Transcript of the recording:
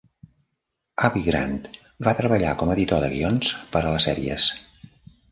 Abi Grant va treballar com a "editor de guions" per a les sèries.